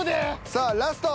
さあラスト。